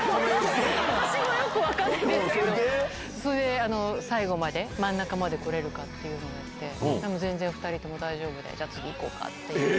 私もよく分かんないんですけど、それで、最後まで、真ん中まで来れるかっていうのをやって、でも、全然２人とも大丈夫で、じゃ次行こうかっていう。